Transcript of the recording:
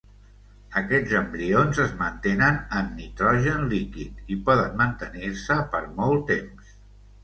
Aquests embrions es mantenen en nitrogen líquid i poden mantenir-se per molt temps.